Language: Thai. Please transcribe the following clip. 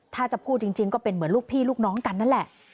ถ้าจะพูดจริงก็เป็นเหมือนลูกพี่ลูกน้องกันนั่นแหละ